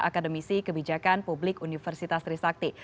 akademisi kebijakan publik universitas trisakti